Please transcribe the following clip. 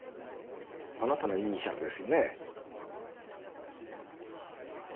あなたのイニシャルですよね？